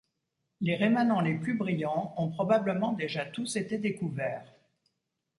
Les rémanents les plus brillants ont probablement déjà tous été découverts.